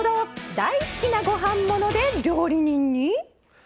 「大好きなご飯もので料理人に！？」。